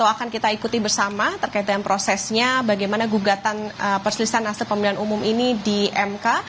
akan kita ikuti bersama terkait dengan prosesnya bagaimana gugatan perselisihan hasil pemilihan umum ini di mk